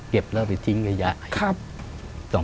เก็บแล้วไปทิ้งกระยะ